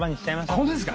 本当ですか！